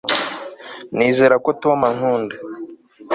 nizera ko tom ankunda